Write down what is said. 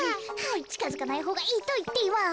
ちかづかないほうがいいといっています。